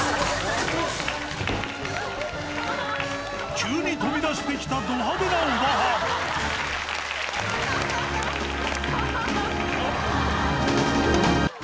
急に飛び出してきたド派手なおばはん。